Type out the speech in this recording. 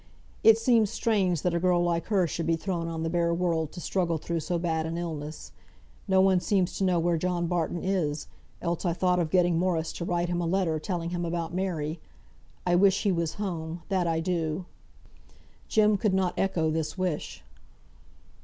"It seems strange that a girl like her should be thrown on the bare world to struggle through so bad an illness. No one seems to know where John Barton is, else I thought of getting Morris to write him a letter telling him about Mary. I wish he was home, that I do!" Jem could not echo this wish.